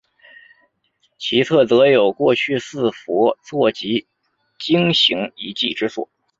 其侧则有过去四佛坐及经行遗迹之所。